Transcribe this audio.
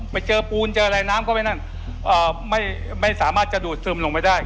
ไปเจอกูลหลายน้ำเข้าไปไม่สามารถกระดูดซึมลงไปได้